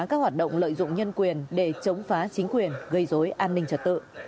các hoạt động lợi dụng nhân quyền để chống phá chính quyền gây dối an ninh trật tự